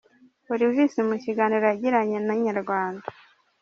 Olivis mu kiganiro yagiranye na Inyarwanda.